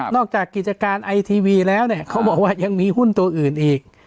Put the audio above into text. กิจการไอทีวีแล้วเนี่ยเขาบอกว่ายังมีหุ้นตัวอื่นอีก